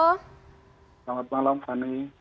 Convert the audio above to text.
selamat malam fanny